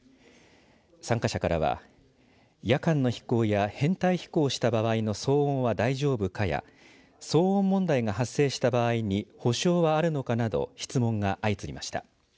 参加者からは夜間の飛行や編隊飛行した場合の騒音は大丈夫かや騒音問題が発生した場合に保証はあるのかなど質問が相次ぎました。